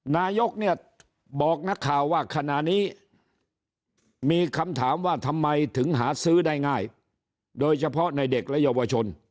นายกเนี่ยบอกนักข่าวว่าขณะนี้มีคำถามว่าทำไมถึงหาซื้อได้ง่ายโดยเฉพาะในเด็กและเยาวชน